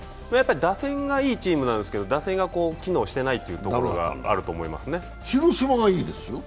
打線がいいチームなんですけど打線が機能していないというところが広島はいいですよ。